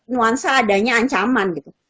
nuansa adanya ancaman gitu